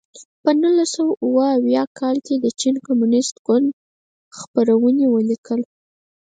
په نولس سوه اووه اویا کال کې د چین کمونېست ګوند خپرونې ولیکل.